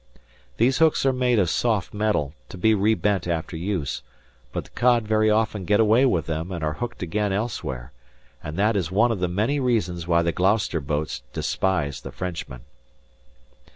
These hooks are made of soft metal, to be rebent after use; but the cod very often get away with them and are hooked again elsewhere; and that is one of the many reasons why the Gloucester boats despise the Frenchmen.